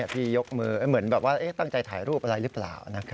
ที่ยกมือเหมือนแบบว่าตั้งใจถ่ายรูปอะไรหรือเปล่า